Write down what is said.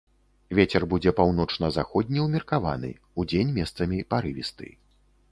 Вецер будзе паўночна-заходні ўмеркаваны, удзень месцамі парывісты.